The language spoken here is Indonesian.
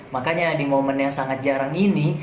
makanya di momen yang sangat jarang ini